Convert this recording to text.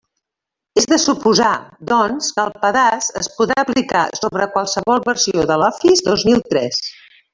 És de suposar, doncs, que el pedaç es podrà aplicar sobre qualsevol versió de l'Office dos mil tres.